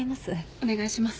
お願いします。